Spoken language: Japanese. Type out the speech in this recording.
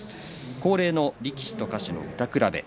恒例の力士と歌手の歌くらべ。